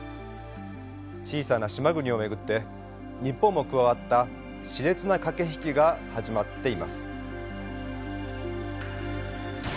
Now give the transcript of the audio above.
小さな島国を巡って日本も加わったしれつな駆け引きが始まっています。